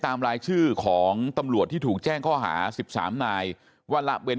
รายชื่อของตำรวจที่ถูกแจ้งข้อหา๑๓นายว่าละเว้น